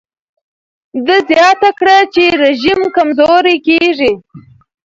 ده زیاته کړه چې رژیم کمزوری کېږي.